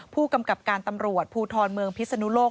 ผู้กำกับการตำรวจภูทรเมืองพิศนุโลก